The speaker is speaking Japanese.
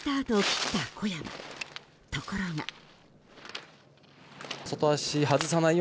ところが。